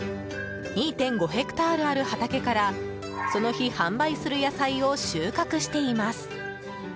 ２．５ヘクタールある畑からその日販売する野菜を収穫しています。